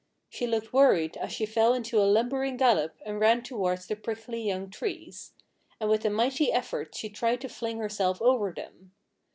She looked worried as she fell into a lumbering gallop and ran towards the prickly young trees. And with a mighty effort she tried to fling herself over them.